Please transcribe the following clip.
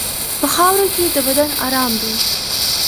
په خاوره کې د بدن ارام دی.